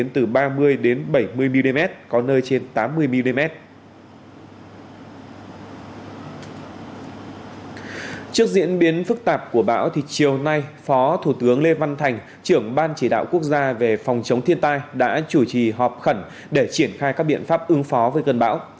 trước diễn biến phức tạp của bão thì chiều nay phó thủ tướng lê văn thành trưởng ban chỉ đạo quốc gia về phòng chống thiên tai đã chủ trì họp khẩn để triển khai các biện pháp ứng phó với cơn bão